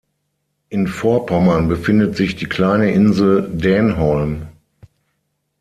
In Vorpommern befindet sich die kleine Insel Dänholm.